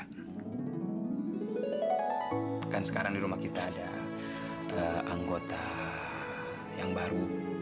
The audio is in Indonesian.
kan sekarang di rumah kita ada anggota yang baru